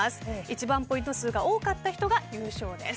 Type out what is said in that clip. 一番ポイント数が多かった人が優勝です。